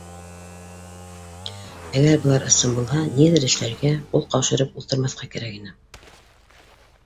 Әгәр былар ысын булһа, ниҙер эшләргә, ҡул ҡаушырып ултырмаҫҡа кәрәк ине